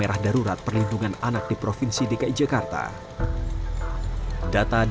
itu aku shock kan